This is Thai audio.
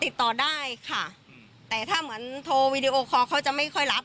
ติดต่อได้ค่ะแต่ถ้าเหมือนโทรวีดีโอคอลเขาจะไม่ค่อยรับ